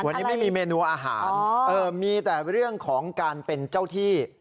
วันนี้ไม่มีเมนูอาหารมีแต่เรื่องของการเป็นเจ้าที่